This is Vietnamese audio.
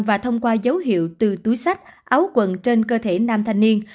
và thông qua dấu hiệu từ túi sách áo quần trên cơ thể nam thanh niên